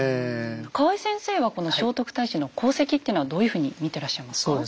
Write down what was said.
河合先生はこの聖徳太子の功績っていうのはどういうふうに見てらっしゃいますか？